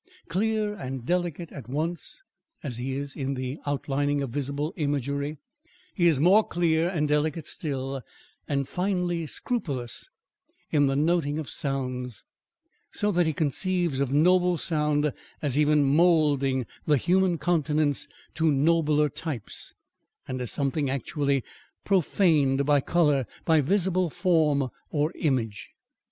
Clear and delicate at once, as he is in the outlining of visible imagery, he is more clear and delicate still, and finely scrupulous, in the noting of sounds; so that he conceives of noble sound as even moulding the human countenance to nobler types, and as something actually "profaned" by colour, by visible form, or image.